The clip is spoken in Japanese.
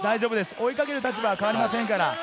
追い掛ける立場は変わりませんから。